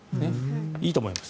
いいと思います。